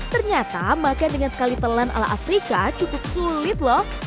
ternyata makan dengan sekali telan ala afrika cukup sulit loh